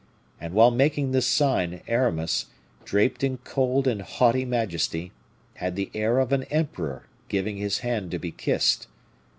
And while making this sign Aramis, draped in cold and haughty majesty, had the air of an emperor giving his hand to be kissed.